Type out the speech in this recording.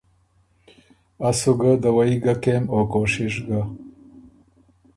”از سُو ګۀ دَوَئ ګه کېم او کوشِش ګۀ“